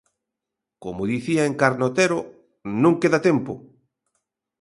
Como dicía Encarna Otero: "Non queda tempo".